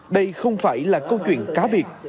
đây không phải là câu chuyện cá biệt